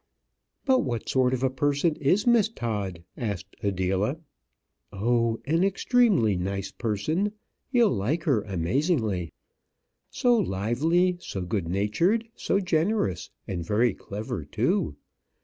"But what sort of a person is Miss Todd?" asked Adela. "Oh, an extremely nice person; you'll like her amazingly so lively, so good natured, so generous; and very clever too.